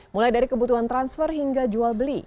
mulai dari kebutuhan transfer hingga jual beli